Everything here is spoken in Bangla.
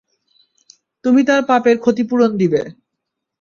তুমি তোমার পাপের ক্ষতিপূরণ দিবে।